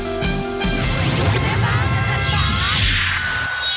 เพลง